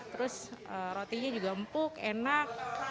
terus rotinya juga empuk enak